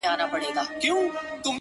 ما وېل سفر کومه ځمه او بیا نه راځمه ـ